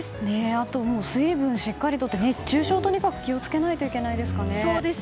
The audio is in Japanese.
あと、水分をしっかりとって熱中症にとにかく注意しないといけないですね。